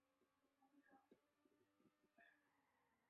是一款由特库摩公司制作的解谜类游戏。